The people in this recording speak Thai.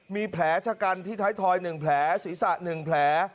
มีแผลชะกันที่ท้ายทอย๑แผลศีรษะ๑แผล